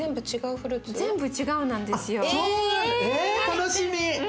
楽しみ！え！